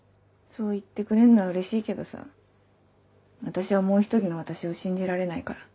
そう言ってくれんのはうれしいけどさ私はもう１人の私を信じられないから。